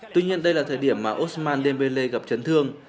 tuy nhiên đây là thời điểm mà ousmane dembele gặp chấn thương